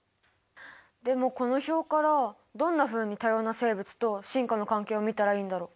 でもこの表からどんなふうに多様な生物と進化の関係を見たらいいんだろう？